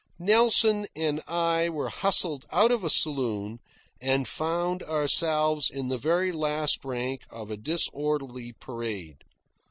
Nelson and I were hustled out of a saloon, and found ourselves in the very last rank of a disorderly parade.